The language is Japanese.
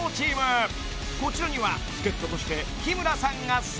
［こちらには助っ人として日村さんが参戦］